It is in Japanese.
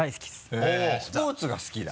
へぇスポーツが好きだ。